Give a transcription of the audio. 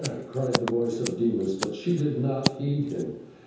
cried the voice of Dimas, but she did not heed him.